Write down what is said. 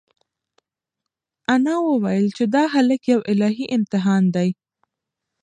انا وویل چې دا هلک یو الهي امتحان دی.